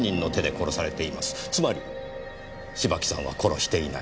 つまり芝木さんは殺していない。